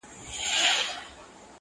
د مسافر جانان کاغذه!!